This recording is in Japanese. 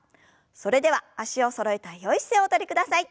それでは脚をそろえたよい姿勢をおとりください。